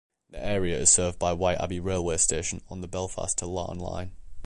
The area is served by Whiteabbey railway station on the Belfast to Larne line.